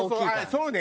そうね。